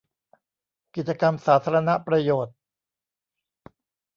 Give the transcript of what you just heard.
กิจกรรมสาธารณประโยชน์